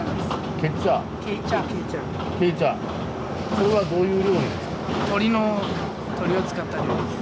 それはどういう料理なんですか？